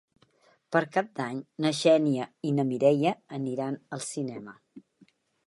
Per Cap d'Any na Xènia i na Mireia aniran al cinema.